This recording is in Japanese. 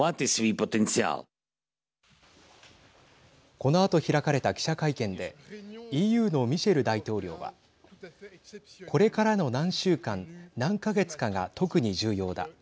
このあと開かれた記者会見でＥＵのミシェル大統領はこれからの何週間、何か月かが特に重要だ。